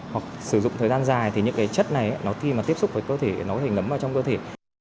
hoặc sử dụng thời gian dài thì những chất này khi tiếp xúc với cơ thể nó có thể ngấm vào trong cơ thể